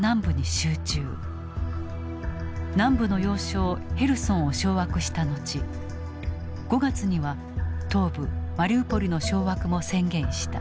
南部の要衝ヘルソンを掌握した後５月には東部マリウポリの掌握も宣言した。